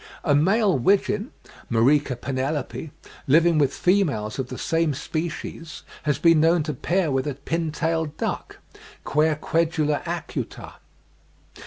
A male wigeon (Mareca penelope), living with females of the same species, has been known to pair with a pintail duck, Querquedula acuta.